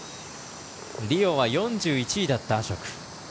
リオは４１位だったアショク。